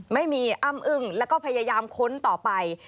ไม่มีอ้ำอึ้งแล้วก็พยายามค้นต่อไป